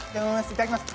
いただきます。